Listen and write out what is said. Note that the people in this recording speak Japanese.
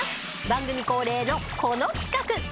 番組恒例のこの企画。